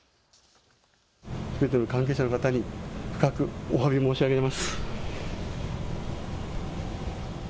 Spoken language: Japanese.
関係者の方に深くおわび申し上げます。